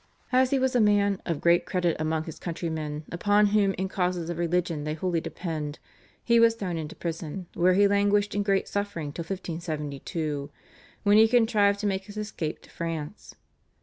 As he was a man "of great credit among his countrymen, upon whom in causes of religion they wholly depend," he was thrown into prison, where he languished in great suffering till 1572, when he contrived to make his escape to France.